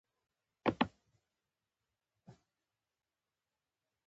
ایا زه باید نسوار وکړم؟